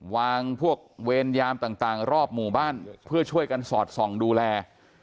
พวกเวรยามต่างรอบหมู่บ้านเพื่อช่วยกันสอดส่องดูแล